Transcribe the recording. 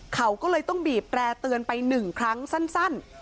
เขาก็เลยต้องบีบแร่เตือนไป๑ครั้งสั้น